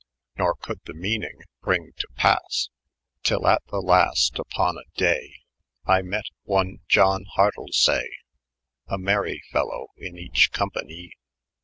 Nor coud the meanyng bryng to pas ; Tyll at the last, vpon a day I met on, John hardlesay, A mery felaw in eche company.